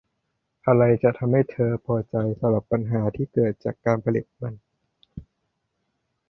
อะไรจะทำให้เธอพอใจสำหรับปัญหาที่เกิดจากการผลิตมัน